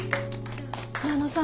真野さん